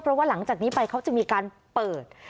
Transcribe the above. เพราะว่าหลังจากนี้ไปเขาจะมีการเปิด